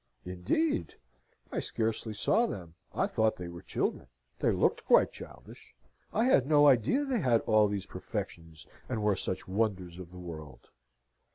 "Indeed! I scarcely saw them. I thought they were children. They looked quite childish. I had no idea they had all these perfections, and were such wonders of the world."